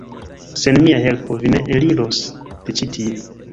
sen mia helpo vi ne eliros de ĉi tie!